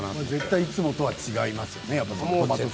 絶対にいつもとは違いますね。